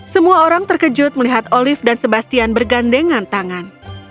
semua orang terkejut melihat olive dan sebastian bergandengan tangan